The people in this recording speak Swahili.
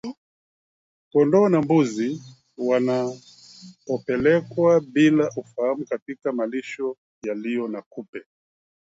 Kondoo na mbuzi wanapopelekwa bila ufahamu katika malisho yaliyo na kupe